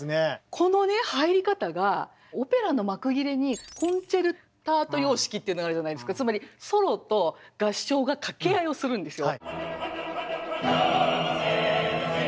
このね入り方がオペラの幕切れにコンチェルタート様式っていうのがあるじゃないですかつまりソロと合唱が掛け合いをするんですよ。